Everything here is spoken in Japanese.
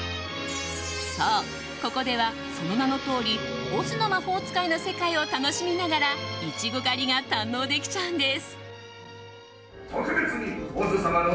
そう、ここではその名のとおり「オズの魔法使い」の世界を楽しみながらイチゴ狩りが堪能できちゃうんです。